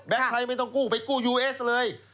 ไทยไม่ต้องกู้ไปกู้ยูเอสเลย